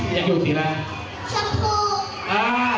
ยังอยู่สีอะไร